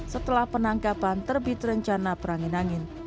setelah penangkapan terbit rencana perangin angin